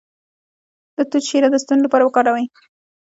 د توت شیره د ستوني لپاره وکاروئ